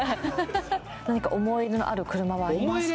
何か思い入れのある車はありますか？